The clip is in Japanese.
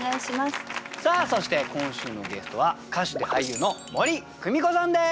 さあそして今週のゲストは歌手で俳優の森公美子さんです。